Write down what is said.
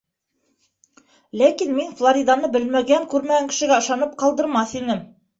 Ләкин мин Флориданы белмәгән- күрмәгән кешегә ышанып ҡалдырмаҫ инем...